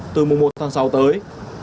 từ mùa một tháng sáu tới